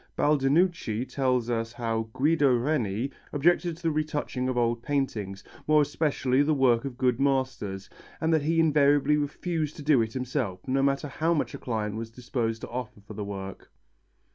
Baldinucci tells us how Guido Reni objected to the retouching of old paintings, more especially the work of good masters, and that he invariably refused to do it himself, no matter how much a client was disposed to offer for the work.